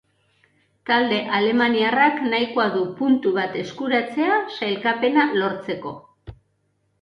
Talde alemaniarrak nahikoa du puntu bat eskuratzea, sailkapena lortzeko.